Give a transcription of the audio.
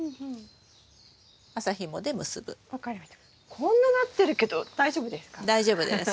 こんななってるけど大丈夫ですか？